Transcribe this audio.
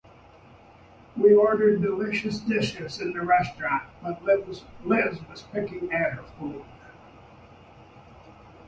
We ordered delicious dishes in a restaurant, but Liz was picking at her food.